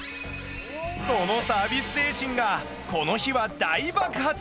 そのサービス精神がこの日は大爆発！